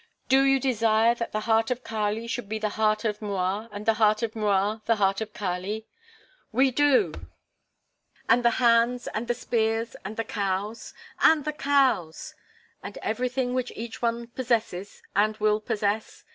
"Do you desire that the heart of Kali should be the heart of M'Rua and the heart of M'Rua the heart of Kali?" "We do." "And the hands and the spears and the cows?" "And the cows!" "And everything which each one possesses and will possess?"